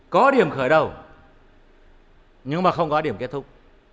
có điểm khởi đầu nhưng mà không có điểm kết thúc